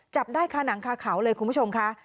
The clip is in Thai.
จับได้ค่ะหนังคาเขาเลยคุณผู้ชมค่ะ